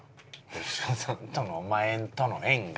別所さんとのお前との縁が。